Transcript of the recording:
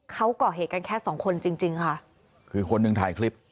เขาก่อเหตุกันแค่สองคนจริงจริงค่ะคือคนหนึ่งถ่ายคลิป